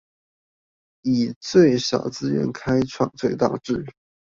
以最少資源開創最大志